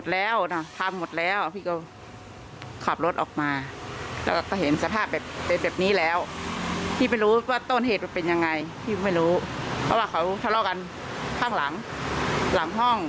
แล้วก็ลุกลามาที่ร้านเรา